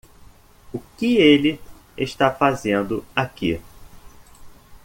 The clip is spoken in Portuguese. O que ele está fazendo aqui?